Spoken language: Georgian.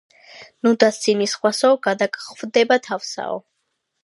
ნუ დასცინი სხვასაო გადაგხვდება თავსაო!